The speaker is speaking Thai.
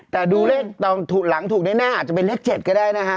แต่ดูเลขตอนหลังถูกแน่อาจจะเป็นเลข๗ก็ได้นะฮะ